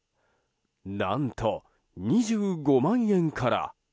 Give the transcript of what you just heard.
何と２５万円から。